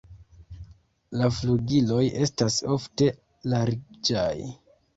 La flugiloj estas ofte larĝaj.